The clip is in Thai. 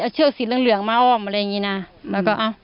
เชือกสีเหลืองมาอ้อมอะไรอย่างนี้นะแล้วก็เอา